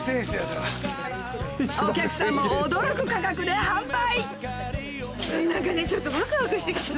お客さんも驚く価格で販売